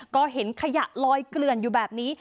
ก็เห็นขยะลอยเกลื่อนอยู่แบบนี้